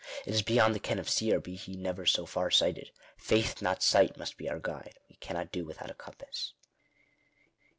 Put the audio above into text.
It is beyond the ken of seer be he never so far sighted. Faith not sight must be our guide. We cannot do without a compass.